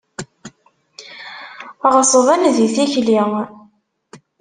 Ɣeṣben di tikli.